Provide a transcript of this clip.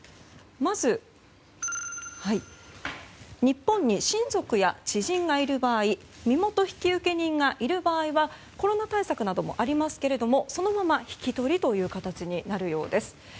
まず、日本に親族や知人がいる場合身元引受人がいる場合はコロナ対策などもありますがそのまま引き取りという形になるようです。